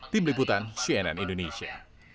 tim liputan cnn indonesia